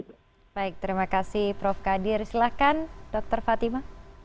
baik terima kasih prof kadir silakan dr fatima